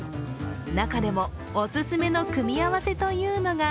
中でも、お勧めの組み合わせというのが